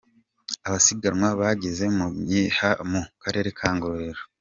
Abasiganwa bageze mu Myiha mu Karere ka Ngororero.